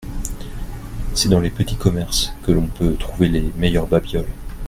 C’est dans les petits commerces que l’on peut trouver les meilleurs babioles.